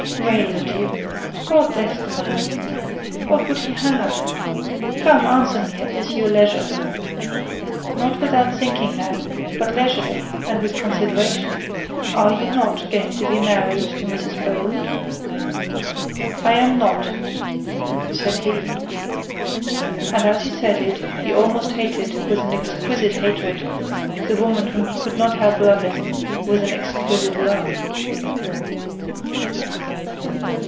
'Rail at you. God bless the man; what would he have? Come, answer me this at your leisure, not without thinking now, but leisurely and with consideration, are you not going to be married to Mrs Bold?' 'I am not,' said he. And as he said it, he almost hated, with an exquisite hatred, the woman whom he could not help loving with an exquisite love.